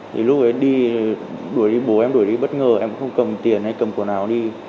thì lúc ấy đi đuổi đi bố em đuổi đi bất ngờ em cũng không cầm tiền hay cầm quần áo đi